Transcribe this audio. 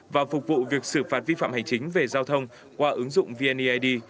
và phục vụ việc xử phạt vi phạm hành chính về giao thông qua ứng dụng vneid